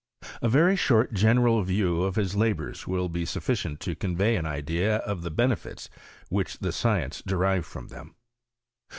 ( A very short general view of his labours will be snf ficient to convey an idea of the benefits which the science derived frooi them.